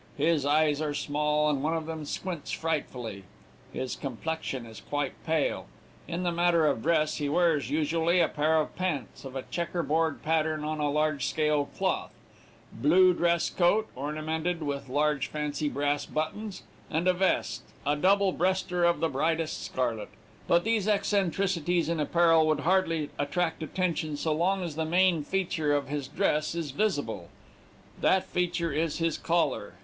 His eyes are small, and one of them squints frightfully. His complexion is quite pale. In the matter of dress, he wears usually a pair of pants of a checker board pattern on a large scale cloth, blue dress coat, ornamented with large fancy brass buttons, and a vest a double breaster of the brightest scarlet. But these eccentricities in apparel would hardly attract attention so long as the main feature of his dress is visible. That feature is his collar.